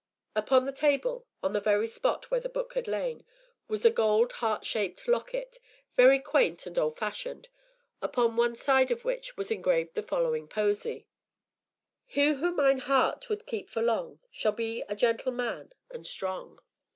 Upon the table, on the very spot where the book had lain, was a gold heart shaped locket, very quaint and old fashioned, upon one side of which was engraved the following posy: "Hee who myne heart would keepe for long Shall be a gentil man and strong."